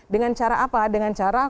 dengan cara apa dengan cara